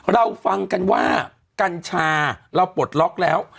เราฟังกันว่ากัญชาเราปลดล็อกแล้ว